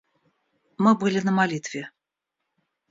Мы были на молитве.